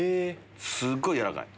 すっごいやらかい。